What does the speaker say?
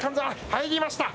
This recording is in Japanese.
入りました。